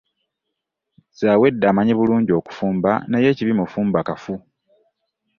Zawedde amanyi bulungi okufumba naye ekibi mufumbakafu.